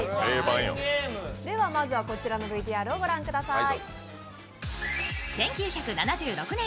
まずは、こちらのＶＴＲをご覧ください。